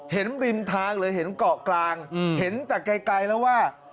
ริมทางเลยเห็นเกาะกลางเห็นแต่ไกลแล้วว่า